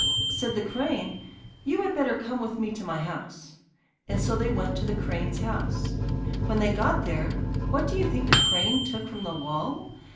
Said the crane: 'You had better come with me to my house,' and so they went to the crane's house. When they got there, what do you think the crane took from the wall?